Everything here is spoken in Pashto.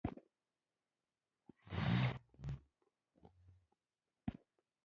“ تشعيل البخاري” َد بخاري شريف پښتو ترجمه